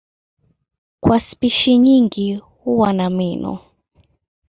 Kwa spishi nyingi huwa na meno.